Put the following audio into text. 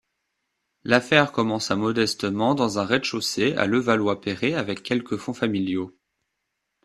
L'affaire commença modestement dans un rez-de-chaussée à Levallois-Perret avec quelques fonds familiaux.